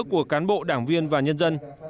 của cán bộ đảng viên và nhân dân